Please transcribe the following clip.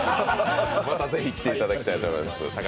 また是非来ていただきたいと思います。